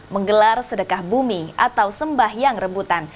menggelar sedekah bumi atau sembah yang rebutan